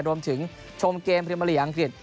รวมถึงชมเกมพรีมาลีกอังกฤษ